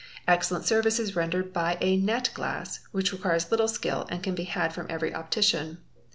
_ Excellent service is rendered by a net glass, which requires little skill . and can be had from every optician.